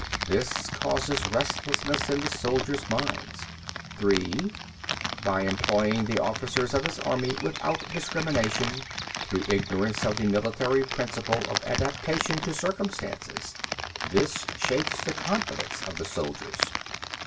This causes restlessness in the soldier's minds. 15. (3) By employing the officers of his army without discrimination, through ignorance of the military principle of adaptation to circumstances. This shakes the confidence of the soldiers.